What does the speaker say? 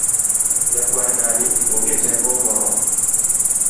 Nyakwar dani onge teko moromo